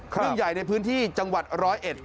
เรื่องใหญ่ในพื้นที่จังหวัดร้อยเอ็ด